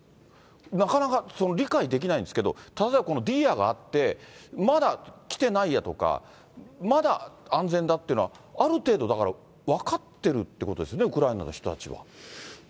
なかなか理解できないんですけど、例えば、ディーアがあって、まだ来てないやとか、まだ安全だっていうのは、ある程度、だから分かっているっていうことですね、ウクライナの人たちは。